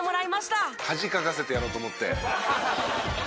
「恥かかせてやろうと思って」